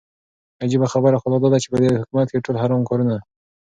عجيبه خبره خو لا داده چې په دې حكومت كې ټول حرام كارونه